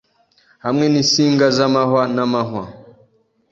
hamwe n'insinga z'amahwa n'amahwa,